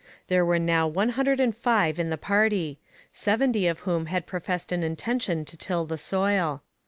There were now one hundred and five in the party, seventy of whom had professed an intention to till the soil.